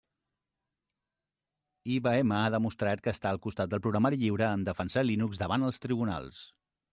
IBM ha demostrat que està al costat del programari lliure en defensar Linux davant els tribunals.